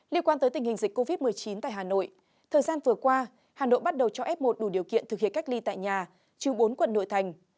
liên quan tới tình hình dịch covid một mươi chín tại hà nội thời gian vừa qua hà nội bắt đầu cho f một đủ điều kiện thực hiện cách ly tại nhà trừ bốn quận nội thành